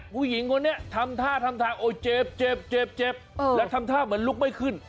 ผู้หญิงวันนี้ทำท่าทำท่าเจ็บและทำท่าเหมือนลุกไม่ขึ้น